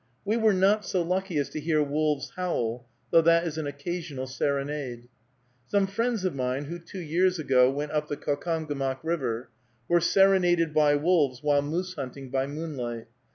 We were not so lucky as to hear wolves howl, though that is an occasional serenade. Some friends of mine, who two years ago went up the Caucomgomoc River, were serenaded by wolves while moose hunting by moonlight.